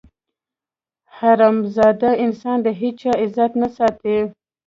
حرامزاده انسان د هېچا عزت نه ساتي.